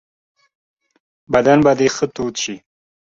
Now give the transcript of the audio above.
بدن به دي ښه تود شي .